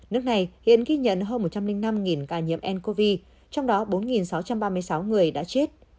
nước này hiện ghi nhận hơn một trăm linh năm ca nhiễm ncov trong đó bốn sáu trăm ba mươi sáu người đã chết